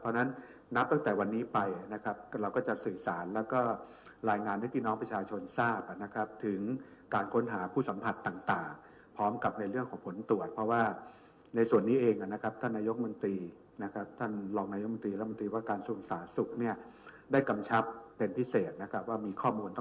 เพราะฉะนั้นนับตั้งแต่วันนี้ไปนะครับเราก็จะสื่อสารแล้วก็รายงานให้พี่น้องประชาชนทราบนะครับถึงการค้นหาผู้สัมผัสต่างพร้อมกับในเรื่องของผลตรวจเพราะว่าในส่วนนี้เองนะครับท่านนายกมนตรีนะครับท่านรองนายมนตรีรัฐมนตรีว่าการกระทรวงสาธารณสุขเนี่ยได้กำชับเป็นพิเศษนะครับว่ามีข้อมูลท